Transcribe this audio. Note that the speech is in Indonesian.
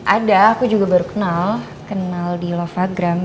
ada aku juga baru kenal kenal di lovagram